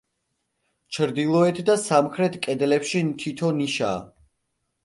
ჩრდილოეთ და სამხრეთ კედლებში თითო ნიშაა.